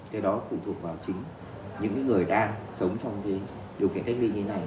thế đó cũng thuộc vào chính những người đang sống trong điều kiện cách ly như thế này